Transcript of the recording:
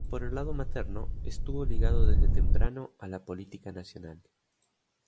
Por el lado materno estuvo ligado desde temprano a la política nacional.